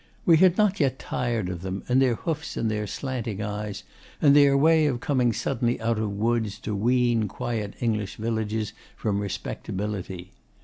We had not yet tired of them and their hoofs and their slanting eyes and their way of coming suddenly out of woods to wean quiet English villages from respectability.